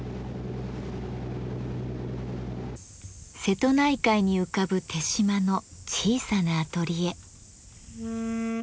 瀬戸内海に浮かぶ豊島の小さなアトリエ。